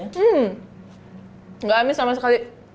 tidak amis sama sekali